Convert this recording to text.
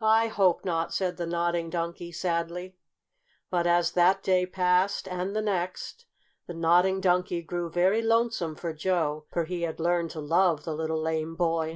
"I hope not," said the Nodding Donkey sadly. But as that day passed, and the next, the Nodding Donkey grew very lonesome for Joe, for he had learned to love the little lame boy.